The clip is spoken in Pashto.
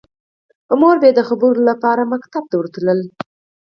مور به یې د خبرو لپاره ښوونځي ته ورتله